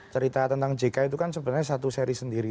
cerita tentang jk itu kan sebenarnya satu seri sendiri